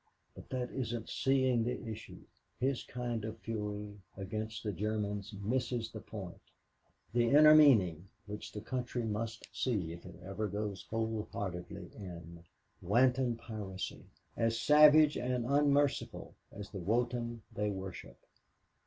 But that isn't seeing the issue his kind of fury against the Germans misses the point the inner meaning which the country must see if it ever goes whole heartedly in. Wanton piracy as savage and unmerciful as the Wotan they worship.